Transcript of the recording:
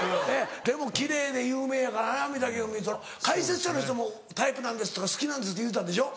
でも奇麗で有名やからな御嶽海解説者の人も「タイプなんです」とか「好きなんです」って言うたんでしょ。